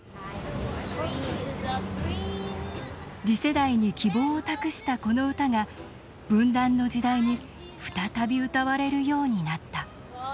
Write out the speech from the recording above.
次世代に希望を託したこの歌が分断の時代に再び歌われるようになった。